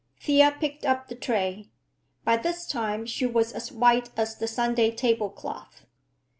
Thea picked up the tray. By this time she was as white as the Sunday tablecloth.